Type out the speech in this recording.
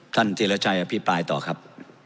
ท่านเจรจัยอภิปรายต่อครับ